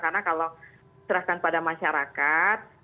karena kalau diserahkan kepada masyarakat